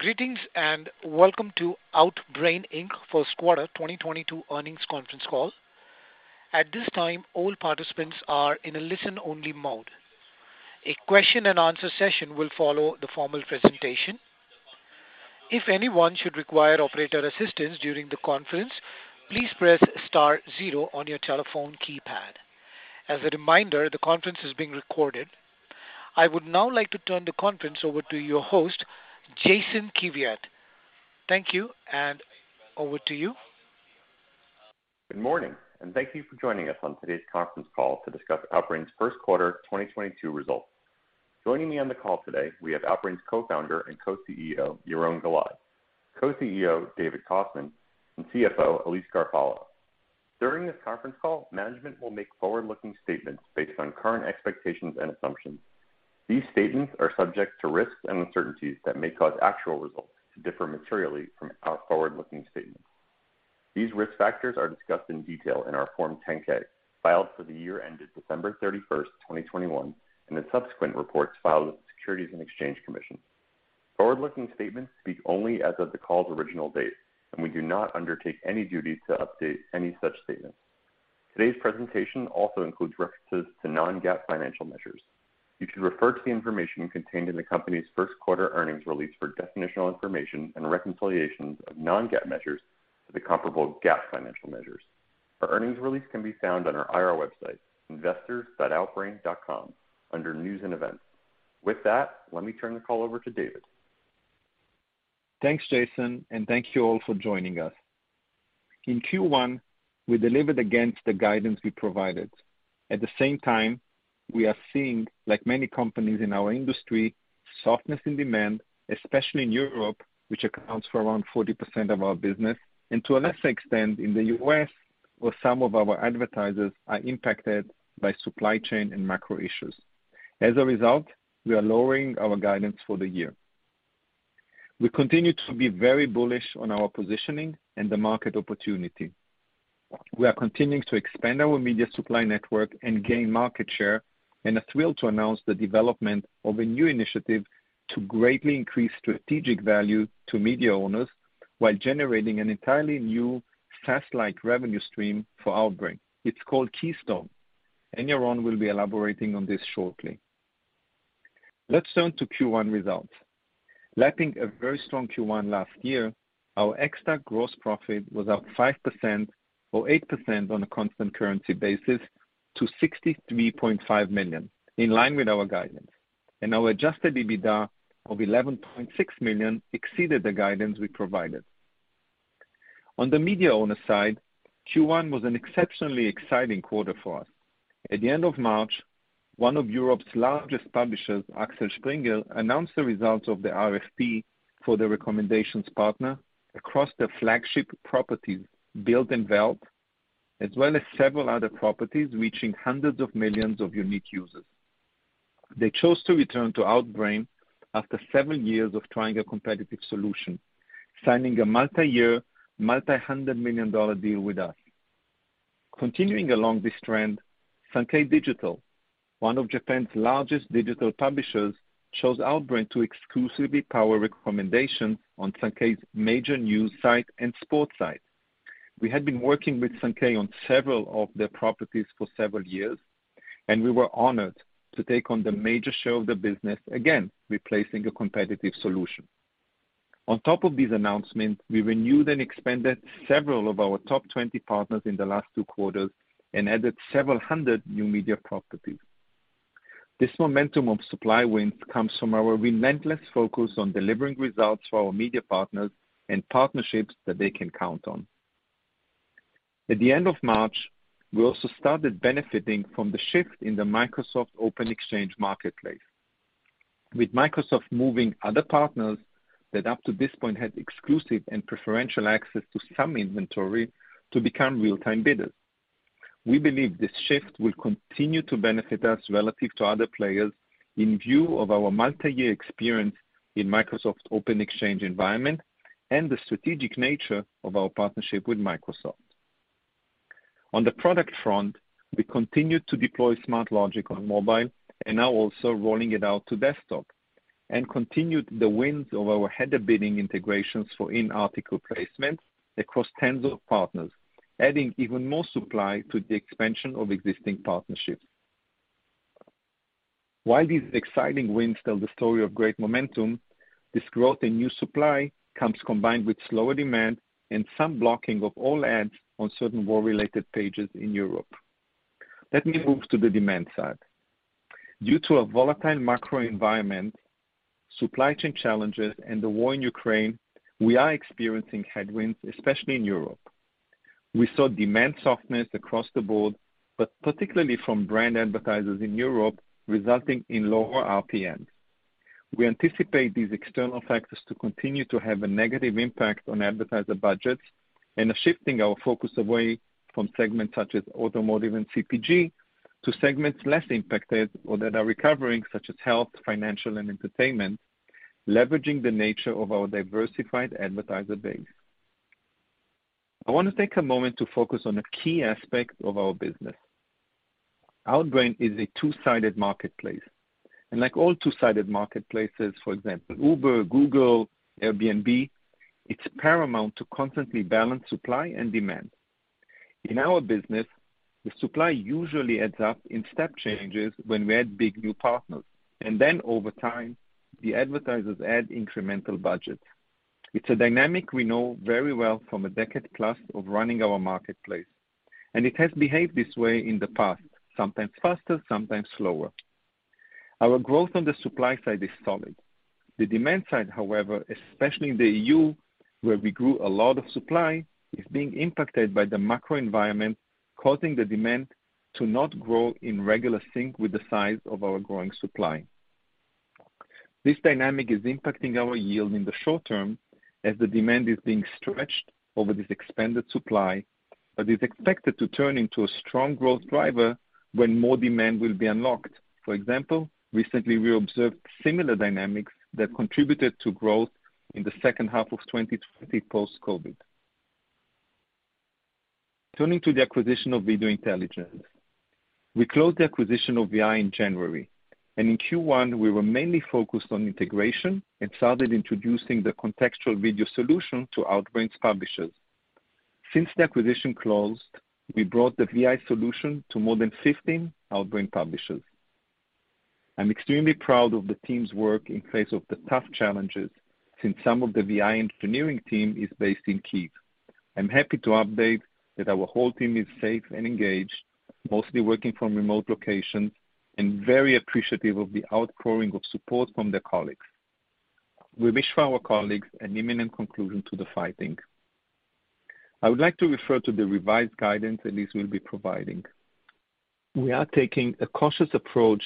Greetings and welcome to Outbrain Inc. Q1 2022 Earnings Conference Call. At this time, all participants are in a listen-only mode. A Q&A session will follow the formal presentation. If anyone should require operator assistance during the conference, please press star zero on your telephone keypad. As a reminder, the conference is being recorded. I would now like to turn the conference over to your host, Jason Kiviat. Thank you, and over to you. Good morning, and thank you for joining us on today's conference call to discuss Outbrain's Q1 2022 Results. Joining me on the call today we have Outbrain's Co-Founder and Co-CEO, Yaron Galai, Co-CEO, David Kostman, and CFO, Elise Garofalo. During this conference call, management will make forward-looking statements based on current expectations and assumptions. These statements are subject to risks and uncertainties that may cause actual results to differ materially from our forward-looking statements. These risk factors are discussed in detail in our Form 10-K filed for the year ended 31st of December 2021, and the subsequent reports filed with the Securities and Exchange Commission. Forward-looking statements speak only as of the call's original date, and we do not undertake any duty to update any such statements. Today's presentation also includes references to non-GAAP financial measures. You should refer to the information contained in the company's Q1 earnings release for definitional information and reconciliations of non-GAAP measures to the comparable GAAP financial measures. Our earnings release can be found on our IR website, investors dot Outbrain dot com, under news and events. With that, let me turn the call over to David. Thanks, Jason, and thank you all for joining us. In Q1, we delivered against the guidance we provided. At the same time, we are seeing, like many companies in our industry, softness in demand, especially in Europe, which accounts for around 40% of our business and to a lesser extent in the U.S., where some of our advertisers are impacted by supply chain and macro issues. As a result, we are lowering our guidance for the year. We continue to be very bullish on our positioning and the market opportunity. We are continuing to expand our media supply network and gain market share and are thrilled to announce the development of a new initiative to greatly increase strategic value to media owners while generating an entirely new SaaS-like revenue stream for Outbrain. It's called Keystone, and Yaron will be elaborating on this shortly. Let's turn to Q1 results. Lapping a very strong Q1 last year, our ex-TAC gross profit was up 5% or 8% on a constant currency basis to $63.5 million, in line with our guidance. Our adjusted EBITDA of $11.6 million exceeded the guidance we provided. On the media owner side, Q1 was an exceptionally exciting quarter for us. At the end of March, one of Europe's largest publishers, Axel Springer, announced the results of the RFP for the recommendations partner across their flagship properties, Bild and Welt, as well as several other properties reaching hundreds of millions of unique users. They chose to return to Outbrain after seven years of trying a competitive solution, signing a multi-year, multi-hundred-million-dollar deal with us. Continuing along this trend, Sankei Digital, one of Japan's largest digital publishers, chose Outbrain to exclusively power recommendation on Sankei's major news site and sports site. We had been working with Sankei on several of their properties for several years, and we were honored to take on the major share of the business again, replacing a competitive solution. On top of these announcements, we renewed and expanded several of our top 20 partners in the last two quarters and added several hundred new media properties. This momentum of supply wins comes from our relentless focus on delivering results for our media partners and partnerships that they can count on. At the end of March, we also started benefiting from the shift in the Microsoft Open Exchange marketplace. With Microsoft moving other partners that up to this point had exclusive and preferential access to some inventory to become real-time bidders. We believe this shift will continue to benefit us relative to other players in view of our multi-year experience in Microsoft Open Exchange environment and the strategic nature of our partnership with Microsoft. On the product front, we continued to deploy Smartlogic on mobile and are also rolling it out to desktop, and continued the wins of our header bidding integrations for in-article placements across tens of partners, adding even more supply to the expansion of existing partnerships. While these exciting wins tell the story of great momentum, this growth in new supply comes combined with slower demand and some blocking of all ads on certain war-related pages in Europe. Let me move to the demand side. Due to a volatile macro environment, supply chain challenges, and the war in Ukraine, we are experiencing headwinds, especially in Europe. We saw demand softness across the board, but particularly from brand advertisers in Europe, resulting in lower RPMs. We anticipate these external factors to continue to have a negative impact on advertiser budgets and are shifting our focus away from segments such as automotive and CPG to segments less impacted or that are recovering, such as health, financial, and entertainment, leveraging the nature of our diversified advertiser base. I want to take a moment to focus on a key aspect of our business. Outbrain is a two-sided marketplace, and like all two-sided marketplaces, for example, Uber, Google, Airbnb, it's paramount to constantly balance supply and demand. In our business, the supply usually adds up in step changes when we add big new partners, and then over time, the advertisers add incremental budget. It's a dynamic we know very well from a decade-plus of running our marketplace, and it has behaved this way in the past, sometimes faster, sometimes slower. Our growth on the supply side is solid. The demand side, however, especially in the EU, where we grew a lot of supply, is being impacted by the macro environment, causing the demand to not grow in regular sync with the size of our growing supply. This dynamic is impacting our yield in the short term as the demand is being stretched over this expanded supply, but is expected to turn into a strong growth driver when more demand will be unlocked. For example, recently, we observed similar dynamics that contributed to growth in the H2 of 2020 post-COVID. Turning to the acquisition of Video Intelligence. We closed the acquisition of VI in January, and in Q1, we were mainly focused on integration and started introducing the contextual video solution to Outbrain's publishers. Since the acquisition closed, we brought the VI solution to more than 15 Outbrain publishers. I'm extremely proud of the team's work in face of the tough challenges since some of the VI engineering team is based in Kyiv. I'm happy to update that our whole team is safe and engaged, mostly working from remote locations and very appreciative of the outpouring of support from their colleagues. We wish for our colleagues an imminent conclusion to the fighting. I would like to refer to the revised guidance Elise will be providing. We are taking a cautious approach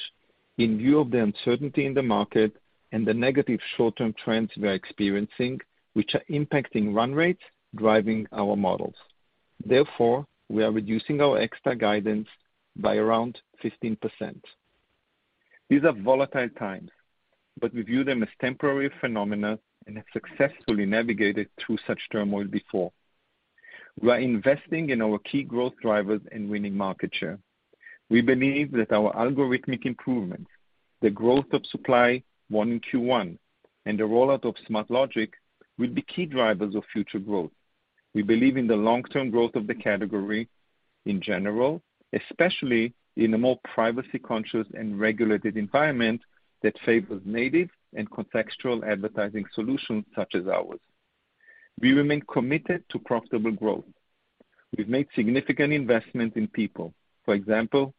in view of the uncertainty in the market and the negative short-term trends we are experiencing, which are impacting run rates, driving our models. Therefore, we are reducing our extra guidance by around 15%. These are volatile times, but we view them as temporary phenomena and have successfully navigated through such turmoil before. We are investing in our key growth drivers and winning market share. We believe that our algorithmic improvements, the growth of supply in Q1, and the rollout of Smartlogic will be key drivers of future growth. We believe in the long-term growth of the category in general, especially in a more privacy-conscious and regulated environment that favors native and contextual advertising solutions such as ours. We remain committed to profitable growth. We've made significant investment in people. For example,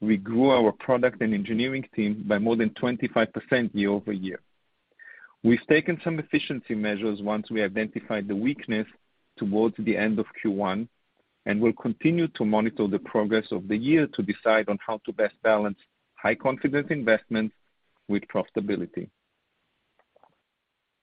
we grew our product and engineering team by more than 25% year-over-year. We've taken some efficiency measures once we identified the weakness towards the end of Q1 and will continue to monitor the progress of the year to decide on how to best balance high-confidence investments with profitability.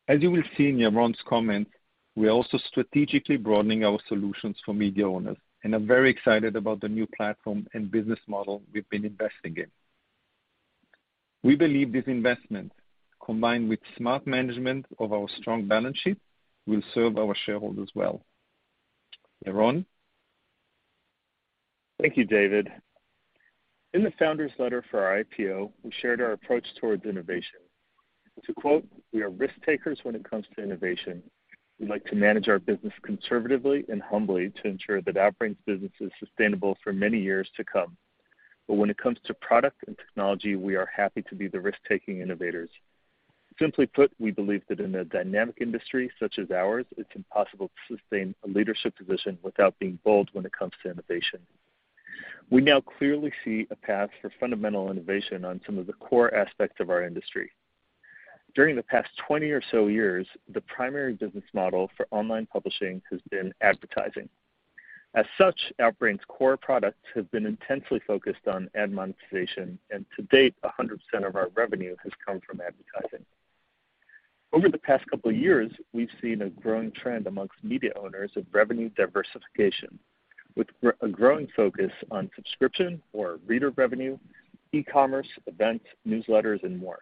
As you will see in Yaron's comments, we are also strategically broadening our solutions for media owners and are very excited about the new platform and business model we've been investing in. We believe this investment, combined with smart management of our strong balance sheet, will serve our shareholders well. Yaron? Thank you, David. In the founder's letter for our IPO, we shared our approach towards innovation. To quote, "We are risk-takers when it comes to innovation. We like to manage our business conservatively and humbly to ensure that Teads's business is sustainable for many years to come. But when it comes to product and technology, we are happy to be the risk-taking innovators." Simply put, we believe that in a dynamic industry such as ours, it's impossible to sustain a leadership position without being bold when it comes to innovation. We now clearly see a path for fundamental innovation on some of the core aspects of our industry. During the past 20 or so years, the primary business model for online publishing has been advertising. As such, Teads's core products have been intensely focused on ad monetization, and to date, 100% of our revenue has come from advertising. Over the past couple of years, we've seen a growing trend among media owners of revenue diversification, with a growing focus on subscription or reader revenue, e-commerce, events, newsletters, and more.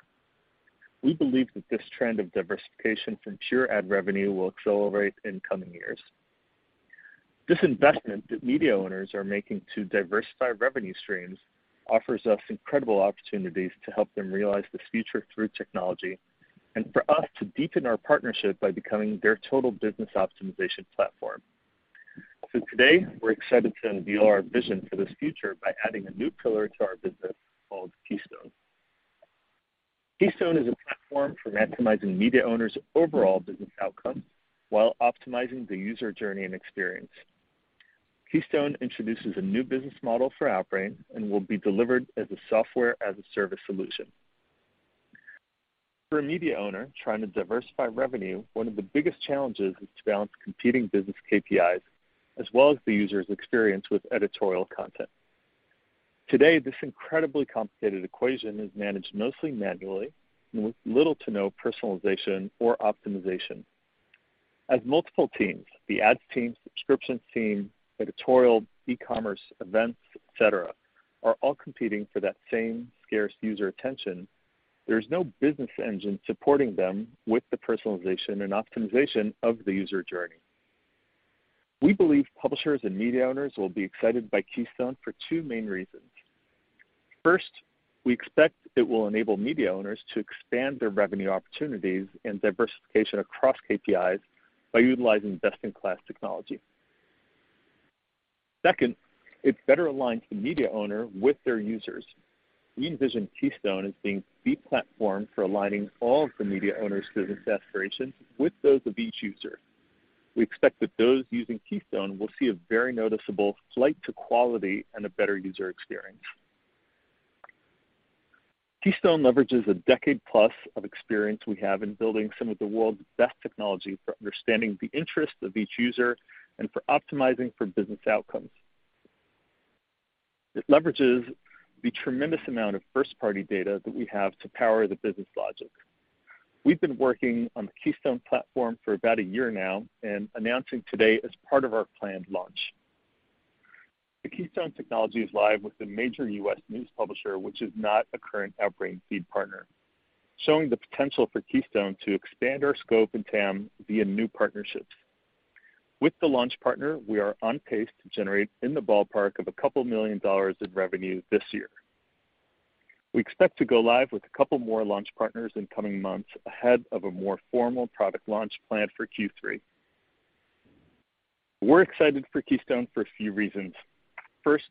We believe that this trend of diversification from pure ad revenue will accelerate in coming years. This investment that media owners are making to diversify revenue streams offers us incredible opportunities to help them realize this future through technology and for us to deepen our partnership by becoming their total business optimization platform. Today, we're excited to unveil our vision for this future by adding a new pillar to our business called Keystone. Keystone is a platform for maximizing media owners' overall business outcomes while optimizing the user journey and experience. Keystone introduces a new business model for Outbrain and will be delivered as a software as a service solution. For a media owner trying to diversify revenue, one of the biggest challenges is to balance competing business KPIs as well as the user's experience with editorial content. Today, this incredibly complicated equation is managed mostly manually with little to no personalization or optimization. As multiple teams, the ads team, subscriptions team, editorial, e-commerce, events, et cetera, are all competing for that same scarce user attention. There's no business engine supporting them with the personalization and optimization of the user journey. We believe publishers and media owners will be excited by Keystone for two main reasons. First, we expect it will enable media owners to expand their revenue opportunities and diversification across KPIs by utilizing best-in-class technology. Second, it better aligns the media owner with their users. We envision Keystone as being the platform for aligning all of the media owner's business aspirations with those of each user. We expect that those using Keystone will see a very noticeable flight to quality and a better user experience. Keystone leverages a decade plus of experience we have in building some of the world's best technology for understanding the interests of each user and for optimizing for business outcomes. It leverages the tremendous amount of first-party data that we have to power the business logic. We've been working on the Keystone platform for about a year now and announcing today as part of our planned launch. The Keystone technology is live with a major U.S. news publisher, which is not a current Outbrain feed partner, showing the potential for Keystone to expand our scope and TAM via new partnerships. With the launch partner, we are on pace to generate in the ballpark of $2 million in revenue this year. We expect to go live with a couple more launch partners in coming months ahead of a more formal product launch planned for Q3. We're excited for Keystone for a few reasons. First,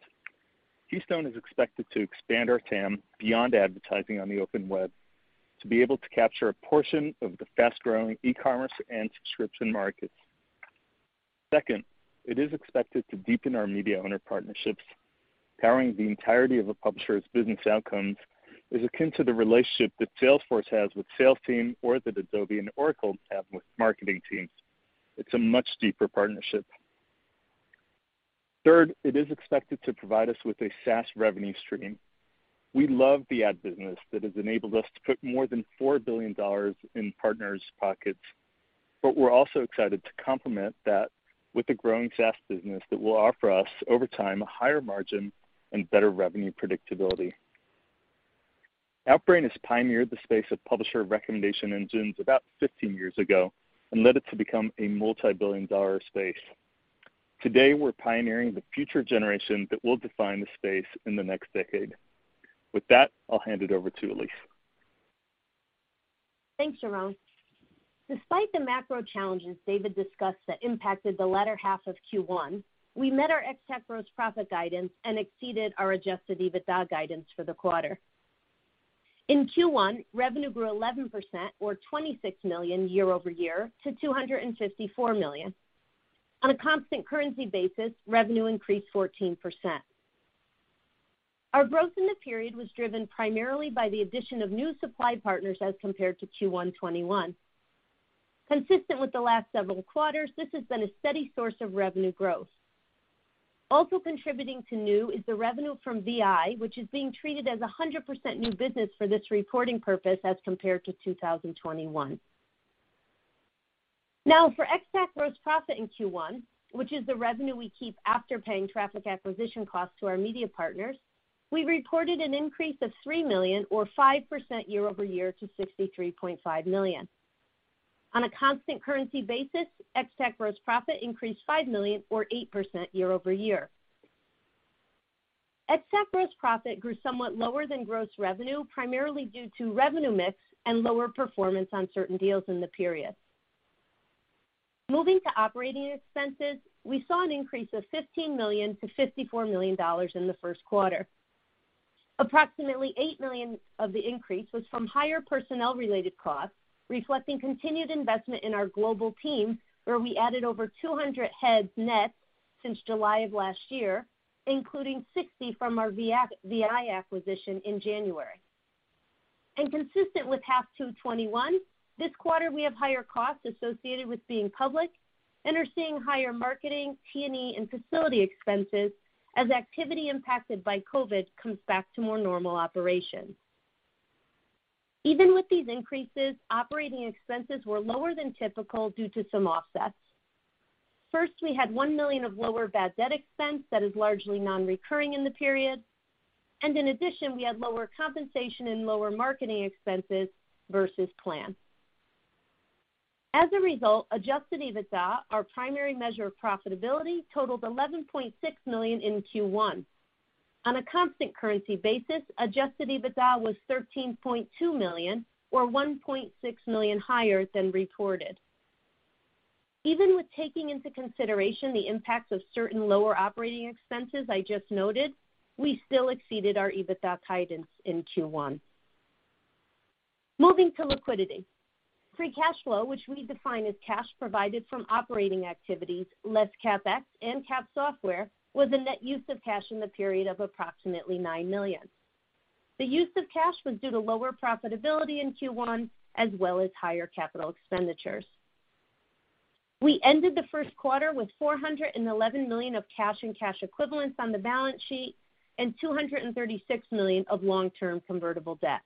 Keystone is expected to expand our TAM beyond advertising on the open web to be able to capture a portion of the fast-growing e-commerce and subscription markets. Second, it is expected to deepen our media owner partnerships. Powering the entirety of a publisher's business outcomes is akin to the relationship that Salesforce has with sales team or that Adobe and Oracle have with marketing teams. It's a much deeper partnership. Third, it is expected to provide us with a SaaS revenue stream. We love the ad business that has enabled us to put more than $4 billion in partners' pockets, but we're also excited to complement that with a growing SaaS business that will offer us, over time, a higher margin and better revenue predictability. Outbrain has pioneered the space of publisher recommendation engines about 15 years ago and led it to become a multi-billion-dollar space. Today, we're pioneering the future generation that will define the space in the next decade. With that, I'll hand it over to Elise. Thanks, Yaron. Despite the macro challenges David discussed that impacted the latter half of Q1, we met our exact gross profit guidance and exceeded our adjusted EBITDA guidance for the quarter. In Q1, revenue grew 11% or $26 million year-over-year to $254 million. On a constant currency basis, revenue increased 14%. Our growth in the period was driven primarily by the addition of new supply partners as compared to Q1 2021. Consistent with the last several quarters, this has been a steady source of revenue growth. Also contributing to new is the revenue from VI, which is being treated as 100% new business for this reporting purpose as compared to 2021. For ex-TAC gross profit in Q1, which is the revenue we keep after paying traffic acquisition costs to our media partners, we reported an increase of $3 million or 5% year-over-year to $63.5 million. On a constant currency basis, ex-TAC gross profit increased $5 million or 8% year-over-year. Ex-TAC gross profit grew somewhat lower than gross revenue, primarily due to revenue mix and lower performance on certain deals in the period. Moving to operating expenses, we saw an increase of $15 million to $54 million in the Q1. Approximately $8 million of the increase was from higher personnel-related costs, reflecting continued investment in our global team, where we added over 200 heads net since July of last year, including 60 from our vi acquisition in January. Consistent with 2H 2021, this quarter we have higher costs associated with being public and are seeing higher marketing, T&E, and facility expenses as activity impacted by COVID comes back to more normal operations. Even with these increases, operating expenses were lower than typical due to some offsets. First, we had $1 million of lower bad debt expense that is largely non-recurring in the period. In addition, we had lower compensation and lower marketing expenses versus plan. As a result, adjusted EBITDA, our primary measure of profitability, totaled $11.6 million in Q1. On a constant currency basis, adjusted EBITDA was $13.2 million or $1.6 million higher than reported. Even with taking into consideration the impacts of certain lower operating expenses I just noted, we still exceeded our EBITDA guidance in Q1. Moving to liquidity. Free cash flow, which we define as cash provided from operating activities, less CapEx and capitalized software, was a net use of cash in the period of approximately $9 million. The use of cash was due to lower profitability in Q1 as well as higher capital expenditures. We ended the Q1 with $411 million of cash and cash equivalents on the balance sheet and $236 million of long-term convertible debt.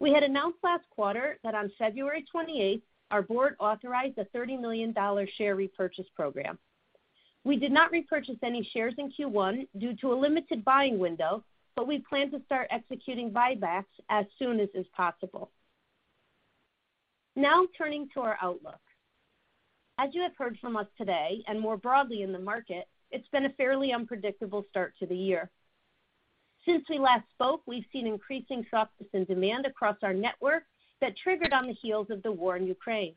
We had announced last quarter that on February 28, our board authorized a $30 million share repurchase program. We did not repurchase any shares in Q1 due to a limited buying window, but we plan to start executing buybacks as soon as is possible. Now turning to our outlook. As you have heard from us today and more broadly in the market, it's been a fairly unpredictable start to the year. Since we last spoke, we've seen increasing softness in demand across our network that triggered on the heels of the war in Ukraine.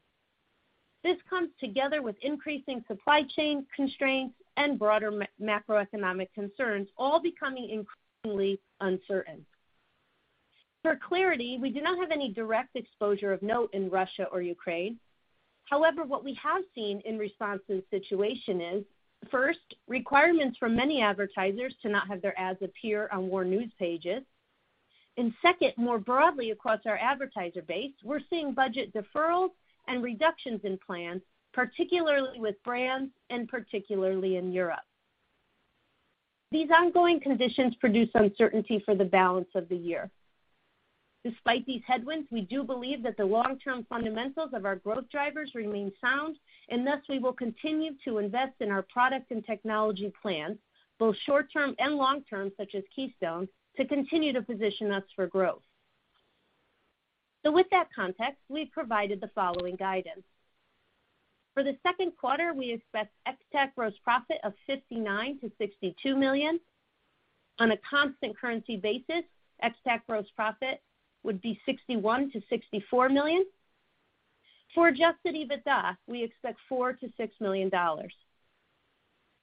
This comes together with increasing supply chain constraints and broader macroeconomic concerns all becoming increasingly uncertain. For clarity, we do not have any direct exposure of note in Russia or Ukraine. However, what we have seen in response to the situation is, first, requirements from many advertisers to not have their ads appear on war news pages. Second, more broadly across our advertiser base, we're seeing budget deferrals and reductions in plans, particularly with brands and particularly in Europe. These ongoing conditions produce uncertainty for the balance of the year. Despite these headwinds, we do believe that the long-term fundamentals of our growth drivers remain sound, and thus we will continue to invest in our product and technology plans, both short term and long term, such as Keystone, to continue to position us for growth. With that context, we've provided the following guidance. For the Q2, we expect ex-TAC gross profit of $59 million-$62 million. On a constant currency basis, ex-TAC gross profit would be $61 million-$64 million. For adjusted EBITDA, we expect $4 million-$6 million.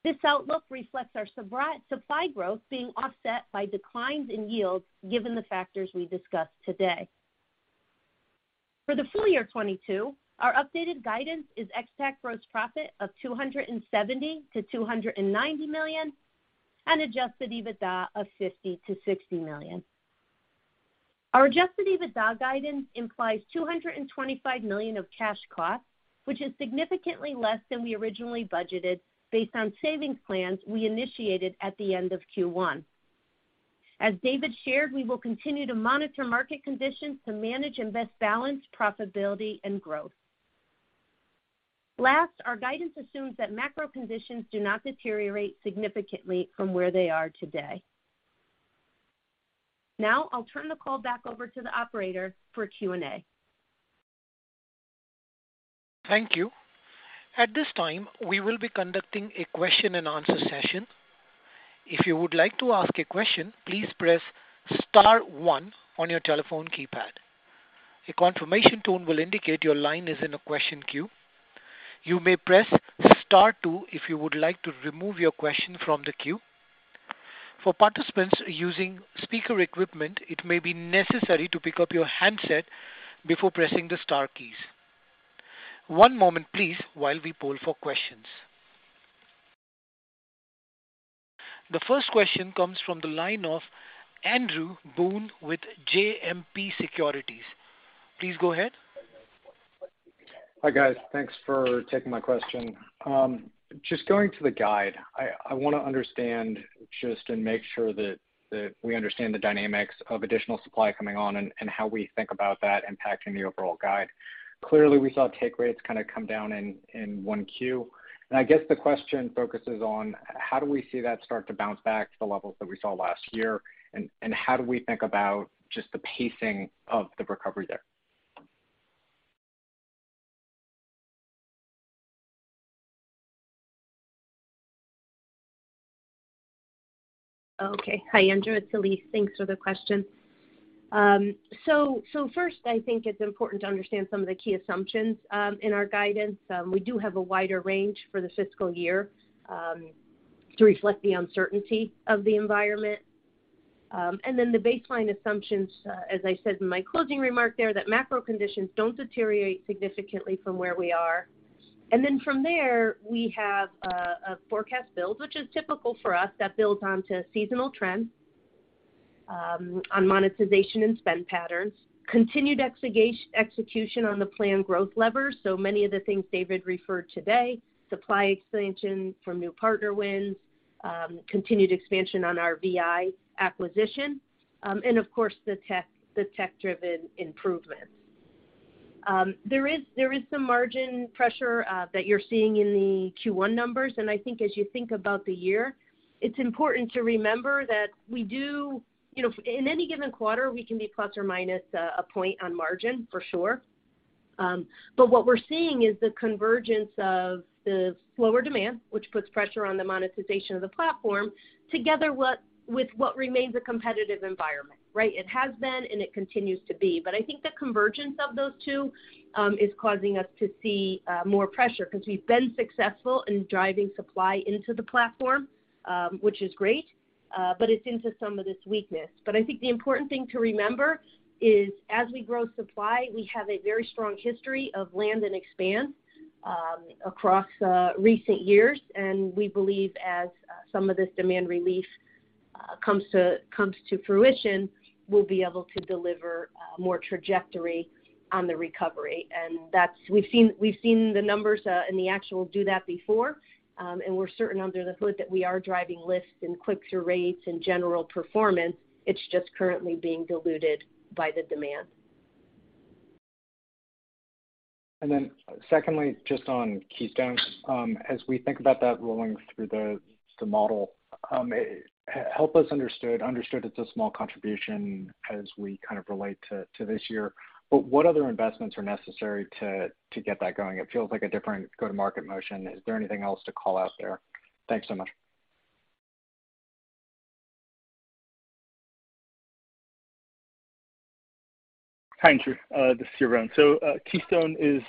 This outlook reflects our supply growth being offset by declines in yields given the factors we discussed today. For the full year 2022, our updated guidance is ex-TAC gross profit of $270 million-$290 million and adjusted EBITDA of $50 million-$60 million. Our adjusted EBITDA guidance implies $225 million of cash costs, which is significantly less than we originally budgeted based on savings plans we initiated at the end of Q1. As David shared, we will continue to monitor market conditions to manage and best balance profitability and growth. Last, our guidance assumes that macro conditions do not deteriorate significantly from where they are today. Now, I'll turn the call back over to the operator for Q&A. Thank you. At this time, we will be conducting a Q&A session. If you would like to ask a question, please press star one on your telephone keypad. A confirmation tone will indicate your line is in a question queue. You may press star two if you would like to remove your question from the queue. For participants using speaker equipment, it may be necessary to pick up your handset before pressing the star keys. One moment, please, while we poll for questions. The first question comes from the line of Andrew Boone with JMP Securities PNG. Please go ahead. Hi, guys. Thanks for taking my question. Just going to the guide, I wanna understand just and make sure that we understand the dynamics of additional supply coming on and how we think about that impacting the overall guide. Clearly, we saw take rates kind of come down in one Q. I guess the question focuses on how do we see that start to bounce back to the levels that we saw last year, and how do we think about just the pacing of the recovery there? Okay. Hi, Andrew. It's Elise Garofalo. Thanks for the question. First, I think it's important to understand some of the key assumptions in our guidance. We do have a wider range for the FY to reflect the uncertainty of the environment. The baseline assumptions, as I said in my closing remark there, that macro conditions don't deteriorate significantly from where we are. From there, we have a forecast build, which is typical for us, that builds onto seasonal trends on monetization and spend patterns. Continued execution on the planned growth levers, so many of the things David Kostman referred to today, supply expansion from new partner wins, continued expansion on our VI acquisition, and of course, the tech-driven improvements. There is some margin pressure that you're seeing in the Q1 numbers. I think as you think about the year, it's important to remember that we do. You know, in any given quarter, we can be plus or minus a point on margin for sure. What we're seeing is the convergence of the slower demand, which puts pressure on the monetization of the platform, together with what remains a competitive environment, right? It has been, and it continues to be. I think the convergence of those two is causing us to see more pressure because we've been successful in driving supply into the platform, which is great, but it's into some of this weakness. I think the important thing to remember is as we grow supply, we have a very strong history of land and expand across recent years. We believe as some of this demand relief comes to fruition, we'll be able to deliver more trajectory on the recovery. That's. We've seen the numbers in the actuals. We've done that before, and we're certain under the hood that we are driving lifts and click-through rates and general performance. It's just currently being diluted by the demand. Secondly, just on Keystone. As we think about that rolling through the model, help us understand it's a small contribution as we kind of relative to this year. What other investments are necessary to get that going? It feels like a different go-to-market motion. Is there anything else to call out there? Thanks so much. Hi, Andrew. This is Yaron. Keystone is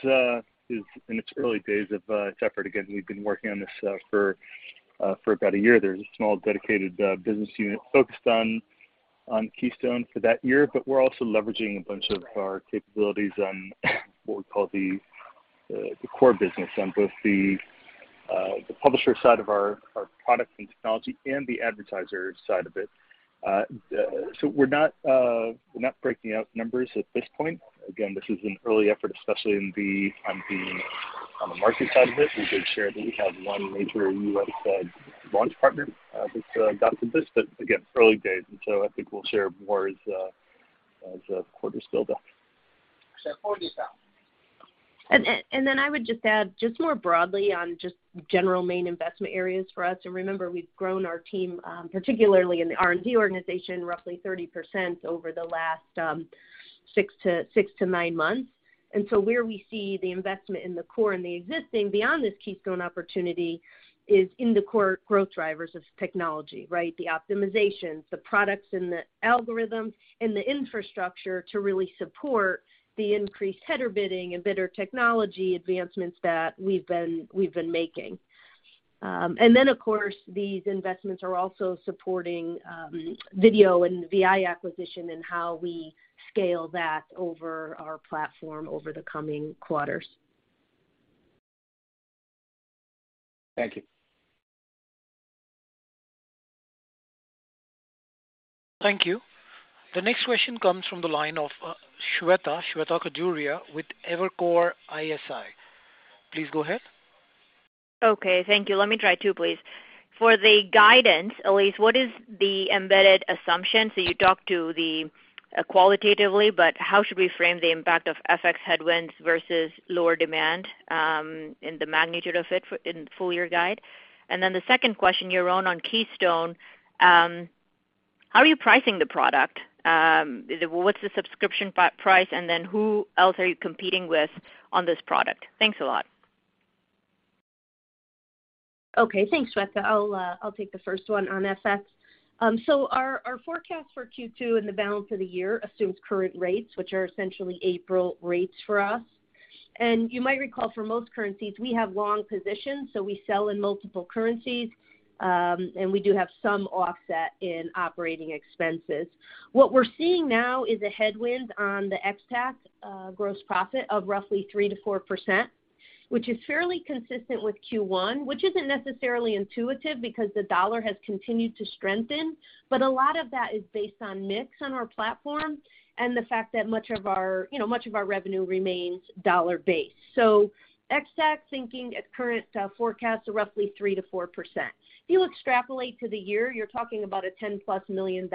in its early days of its effort. Again, we've been working on this for about a year. There's a small dedicated business unit focused on Keystone for that year, but we're also leveraging a bunch of our capabilities on what we call the core business on both the publisher side of our product and technology and the advertiser side of it. We're not breaking out numbers at this point. Again, this is an early effort, especially on the market side of it. We did share that we have one major U.S.-led launch partner that's got to this, but again, early days. I think we'll share more as the quarter's built up. I would just add just more broadly on just general main investment areas for us. Remember, we've grown our team, particularly in the R&D organization, roughly 30% over the last 6 to 9 months. Where we see the investment in the core and the existing beyond this Keystone opportunity is in the core growth drivers of technology, right? The optimizations, the products and the algorithms, and the infrastructure to really support the increased header bidding and bidder technology advancements that we've been making. Of course, these investments are also supporting video and VI acquisition and how we scale that over our platform over the coming quarters. Thank you. Thank you. The next question comes from the line of Shweta Khajuria with Evercore. Please go ahead. Okay, thank you. Let me try two, please. For the guidance, Elise, what is the embedded assumption? So you talked to the qualitatively, but how should we frame the impact of FX headwinds versus lower demand, and the magnitude of it in full-year guide? The second question, Yaron, on Keystone, how are you pricing the product? What's the subscription price, and then who else are you competing with on this product? Thanks a lot. Okay. Thanks, Shweta. I'll take the first one on FX. So our forecast for Q2 and the balance of the year assumes current rates, which are essentially April rates for us. You might recall for most currencies, we have long positions, so we sell in multiple currencies, and we do have some offset in operating expenses. What we're seeing now is a headwind on the XTAC gross profit of roughly 3%-4%, which is fairly consistent with Q1, which isn't necessarily intuitive because the dollar has continued to strengthen. A lot of that is based on mix on our platform and the fact that much of our, you know, much of our revenue remains dollar-based. XTAC thinking at current forecast are roughly 3%-4%. If you extrapolate to the year, you're talking about a $10+ million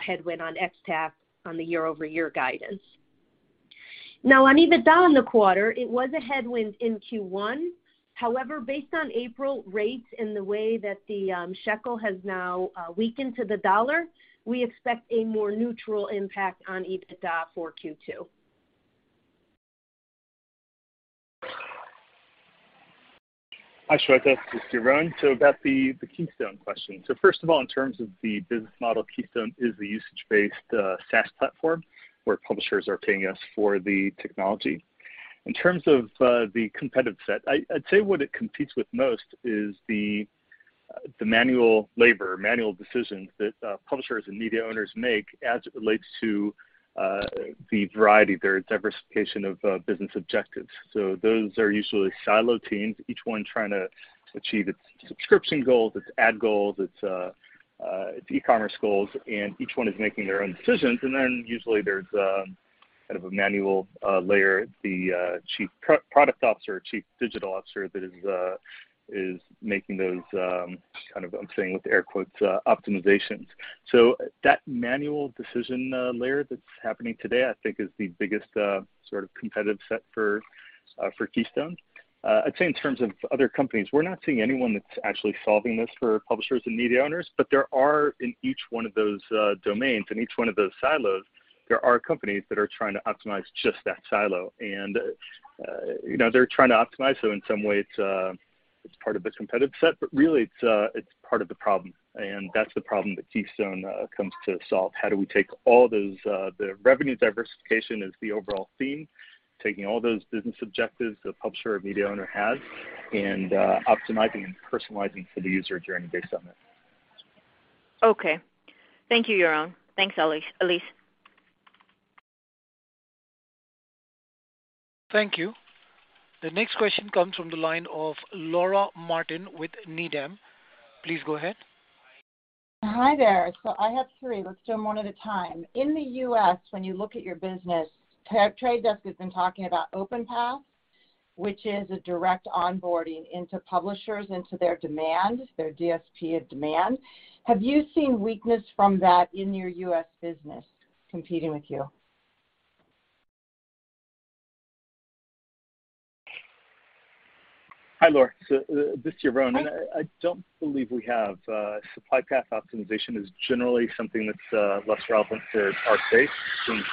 headwind on XTAC on the year-over-year guidance. Now on EBITDA in the quarter, it was a headwind in Q1. However, based on April rates and the way that the shekel has now weakened to the dollar, we expect a more neutral impact on EBITDA for Q2. Hi, Shweta. This is Yaron. About the Keystone question. First of all, in terms of the business model, Keystone is a usage-based SaaS platform where publishers are paying us for the technology. In terms of the competitive set, I'd say what it competes with most is the manual labor, manual decisions that publishers and media owners make as it relates to the variety, their diversification of business objectives. Those are usually siloed teams, each one trying to achieve its subscription goals, its ad goals, its e-commerce goals, and each one is making their own decisions. Then usually there's kind of a manual layer, the chief product officer or chief digital officer that is making those kind of, I'm saying with air quotes, optimizations. That manual decision layer that's happening today, I think, is the biggest sort of competitive set for Keystone. I'd say in terms of other companies, we're not seeing anyone that's actually solving this for publishers and media owners, but there are in each one of those domains, in each one of those silos, there are companies that are trying to optimize just that silo. You know, they're trying to optimize, so in some way it's part of the competitive set, but really it's part of the problem. That's the problem that Keystone comes to solve. How do we take all those the revenue diversification as the overall theme, taking all those business objectives the publisher or media owner has, and optimizing and personalizing for the user journey based on that? Okay. Thank you, Yaron. Thanks, Elise. Thank you. The next question comes from the line of Laura Martin with The Needham Group, Inc.. Please go ahead. Hi there. I have three. Let's do them one at a time. In the U.S., when you look at your business, The Trade Desk has been talking about OpenPath, which is a direct onboarding into publishers, into their demand, their DSP of demand. Have you seen weakness from that in your U.S. business competing with you? Hi, Laura. This is Yaron. Hi. I don't believe we have. Supply path optimization is generally something that's less relevant to our space since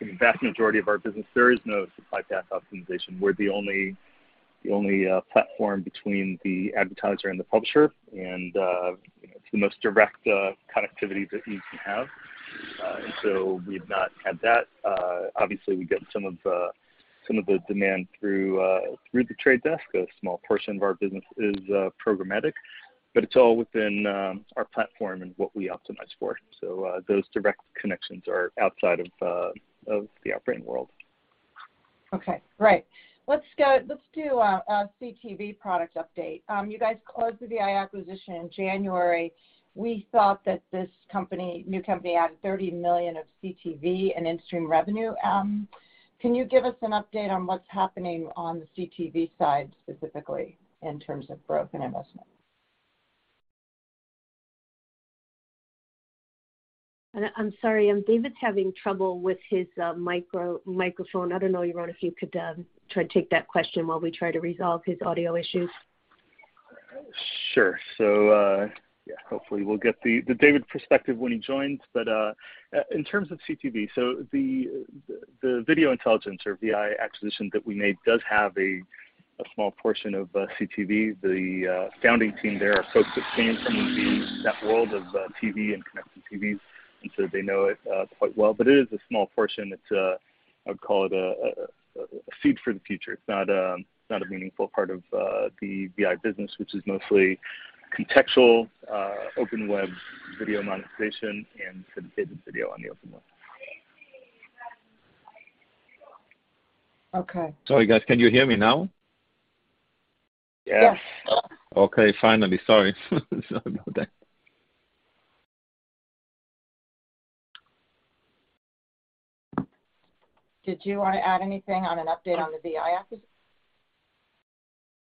the vast majority of our business there is no supply path optimization. We're the only platform between the advertiser and the publisher, and you know, it's the most direct connectivity that you can have. We've not had that. Obviously, we get some of the demand through The Trade Desk. A small portion of our business is programmatic, but it's all within our platform and what we optimize for. Those direct connections are outside of the Outbrain world. Okay. Great. Let's do a CTV product update. You guys closed the vi acquisition in January. We thought that this company, new company, added $30 million of CTV and in-stream revenue. Can you give us an update on what's happening on the CTV side, specifically in terms of growth and investment? I'm sorry, David's having trouble with his microphone. I don't know, Yaron, if you could try to take that question while we try to resolve his audio issues. Sure. Hopefully we'll get the David perspective when he joins. In terms of CTV, the Video Intelligence or VI acquisition that we made does have a small portion of CTV. The founding team there are folks that came from that world of TV and connected TVs, and so they know it quite well. It is a small portion. I would call it a seed for the future. It's not a meaningful part of the VI business, which is mostly contextual open web video monetization and syndicated video on the open web. Okay. Sorry, guys. Can you hear me now? Yes. Yes. Okay. Finally. Sorry. Sorry about that. Did you wanna add anything on an update on the VI acquisition?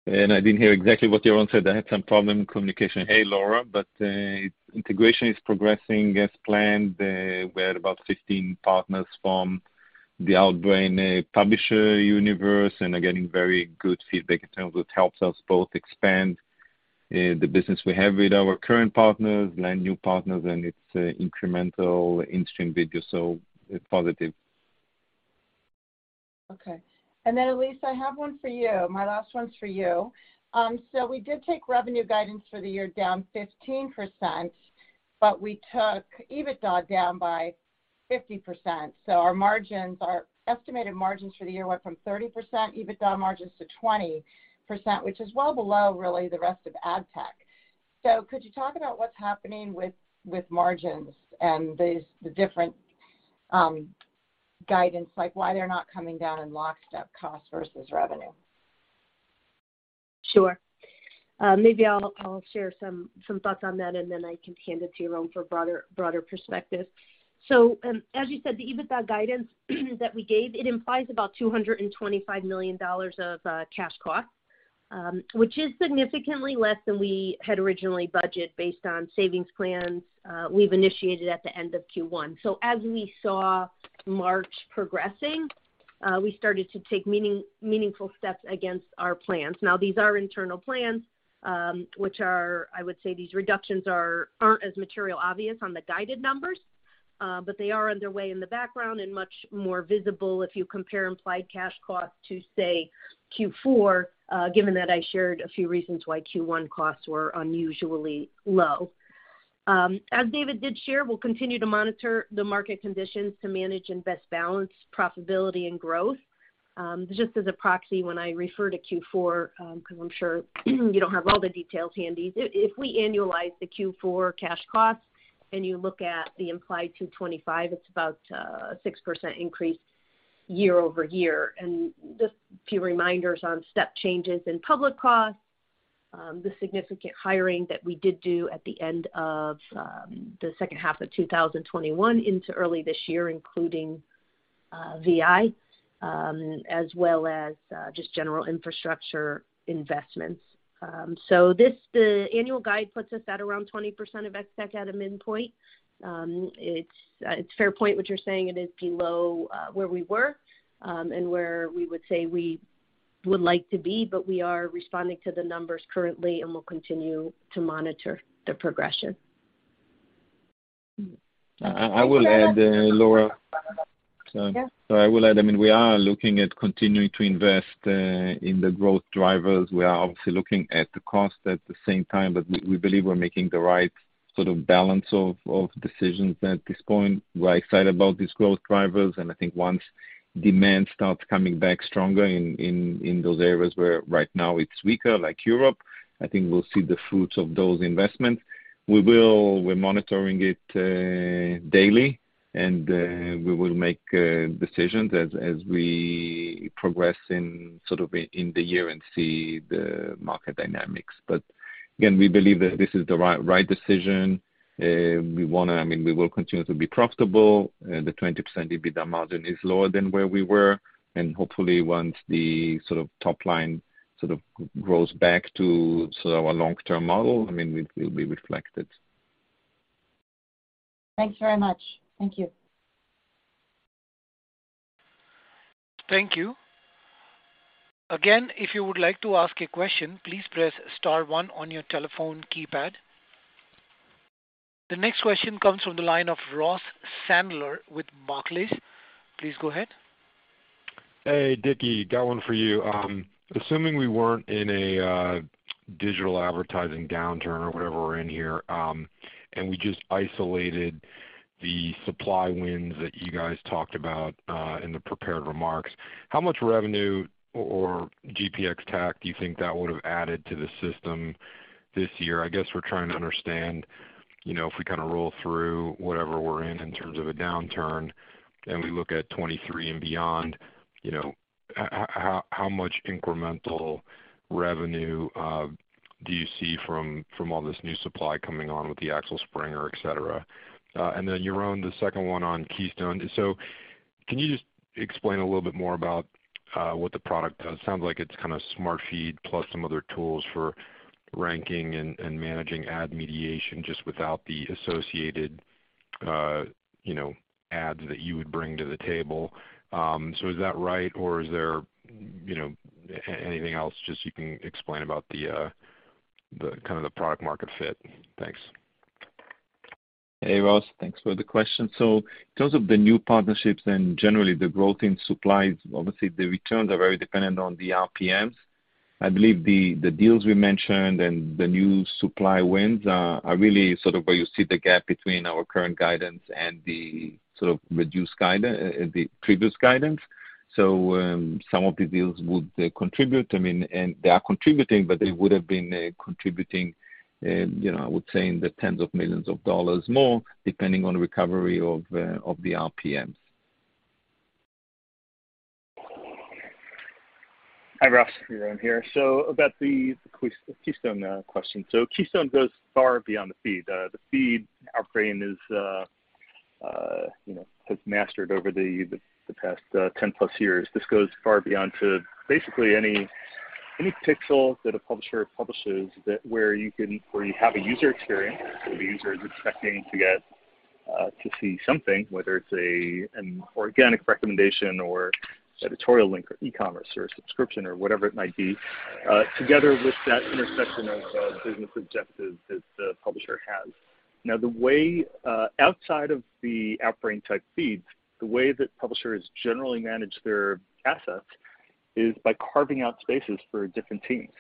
I didn't hear exactly what Yaron said. I had some communication problem. Hey, Laura. Integration is progressing as planned. We're at about 15 partners from the Outbrain publisher universe and are getting very good feedback in terms of it helps us both expand the business we have with our current partners, land new partners, and it's incremental in-stream video, so it's positive. Elise, I have one for you. My last one's for you. We did take revenue guidance for the year down 15%, but we took EBITDA down by 50%. Our margins, our estimated margins for the year went from 30% EBITDA margins to 20%, which is well below really the rest of ad tech. Could you talk about what's happening with margins and the different guidance, like why they're not coming down in lockstep cost versus revenue? Sure. Maybe I'll share some thoughts on that, and then I can hand it to Yaron for broader perspective. As you said, the EBITDA guidance that we gave, it implies about $225 million of cash costs, which is significantly less than we had originally budgeted based on savings plans we've initiated at the end of Q1. As we saw March progressing, we started to take meaningful steps against our plans. Now, these are internal plans, which are, I would say, these reductions aren't as materially obvious on the guided numbers, but they are underway in the background and much more visible if you compare implied cash costs to, say, Q4, given that I shared a few reasons why Q1 costs were unusually low. As David did share, we'll continue to monitor the market conditions to manage and best balance profitability and growth. Just as a proxy when I refer to Q4, 'cause I'm sure you don't have all the details handy. If we annualize the Q4 cash costs and you look at the implied $225, it's about a 6% increase year-over-year. Just a few reminders on step changes in public costs, the significant hiring that we did do at the end of the H2 of 2021 into early this year, including VI, as well as just general infrastructure investments. The annual guide puts us at around 20% of ex-TAC at a midpoint. It's a fair point what you're saying. It is below where we were, and where we would say we would like to be, but we are responding to the numbers currently, and we'll continue to monitor their progression. I will add Laura. Yeah. I will add, I mean, we are looking at continuing to invest in the growth drivers. We are obviously looking at the cost at the same time, but we believe we're making the right sort of balance of decisions at this point. We're excited about these growth drivers, and I think once demand starts coming back stronger in those areas where right now it's weaker, like Europe, I think we'll see the fruits of those investments. We're monitoring it daily, and we will make decisions as we progress in sort of the year and see the market dynamics. Again, we believe that this is the right decision. I mean, we will continue to be profitable. The 20% EBITDA margin is lower than where we were, and hopefully once the sort of top line sort of grows back to sort of our long-term model, I mean, we'll be reflected. Thanks very much. Thank you. Thank you. Again, if you would like to ask a question, please press star one on your telephone keypad. The next question comes from the line of Ross Sandler with Barclays Bank PLC. Please go ahead. Hey, Dickie. Got one for you. Assuming we weren't in a digital advertising downturn or whatever we're in here, and we just isolated the supply wins that you guys talked about in the prepared remarks, how much revenue or GP ex-TAC do you think that would have added to the system this year? I guess we're trying to understand, you know, if we kind of roll through whatever we're in in terms of a downturn and we look at 2023 and beyond, you know, how much incremental revenue do you see from all this new supply coming on with the Axel Springer, et cetera? Then, Yaron, the second one on Keystone. Can you just explain a little bit more about what the product does? It sounds like it's kind of Smartfeed plus some other tools for ranking and managing ad mediation just without the associated, you know, ads that you would bring to the table. Is that right or is there, you know, anything else just you can explain about the kind of product-market fit? Thanks. Hey, Ross. Thanks for the question. In terms of the new partnerships and generally the growth in supplies, obviously the returns are very dependent on the RPMs. I believe the deals we mentioned and the new supply wins are really sort of where you see the gap between our current guidance and the previous guidance. Some of the deals would contribute. I mean, they are contributing, but they would have been contributing, you know, I would say in the tens of millions of dollars more, depending on the recovery of the RPMs. Hi, Ross. Yaron here. About the Keystone question. Keystone goes far beyond the feed. The feed Outbrain is, you know, has mastered over the past 10 plus years. This goes far beyond to basically any pixel that a publisher publishes where you have a user experience. The user is expecting to get to see something, whether it's an organic recommendation or editorial link or e-commerce or a subscription or whatever it might be, together with that intersection of business objectives that the publisher has. Now the way outside of the Outbrain type feeds, the way that publishers generally manage their assets is by carving out spaces for different teams.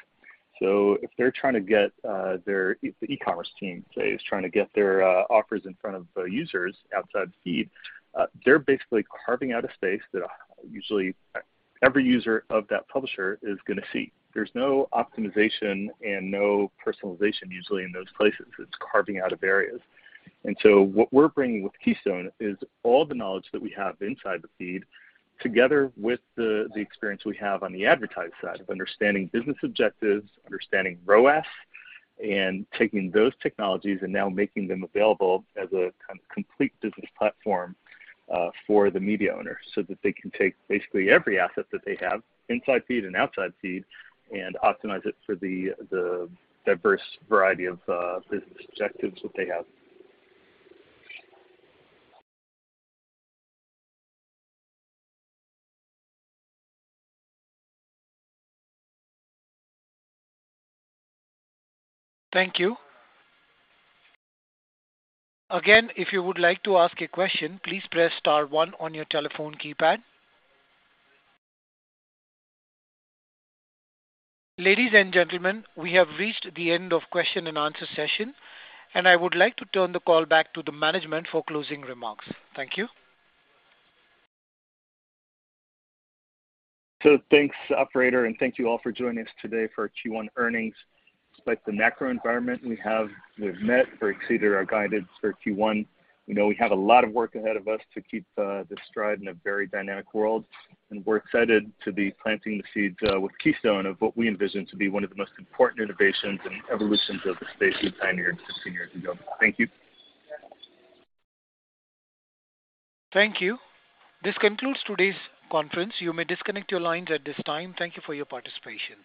If they're trying to get their e-commerce team, say, is trying to get their offers in front of users outside feed, they're basically carving out a space that usually every user of that publisher is gonna see. There's no optimization and no personalization usually in those places. It's carving out of areas. What we're bringing with Keystone is all the knowledge that we have inside the feed together with the experience we have on the advertiser side of understanding business objectives, understanding ROAS, and taking those technologies and now making them available as a kind of complete business platform for the media owner so that they can take basically every asset that they have inside feed and outside feed and optimize it for the diverse variety of business objectives that they have. Thank you. Again, if you would like to ask a question, please press star one on your telephone keypad. Ladies and gentlemen, we have reached the end of Q&A session, and I would like to turn the call back to the management for closing remarks. Thank you. Thanks, operator, and thank you all for joining us today for Q1 earnings. Despite the macro environment we have, we've met or exceeded our guidance for Q1. We know we have a lot of work ahead of us to keep the stride in a very dynamic world, and we're excited to be planting the seeds with Keystone of what we envision to be one of the most important innovations and evolutions of the space we pioneered 15 years ago. Thank you. Thank you. This concludes today's conference. You may disconnect your lines at this time. Thank you for your participation.